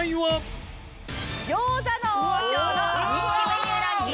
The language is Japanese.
餃子の王将の人気メニューランキング